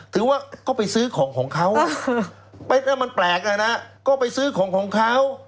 ถือว่าก็ไปซื้อของของเขามันแปลกนะก็ไปซื้อของของเขา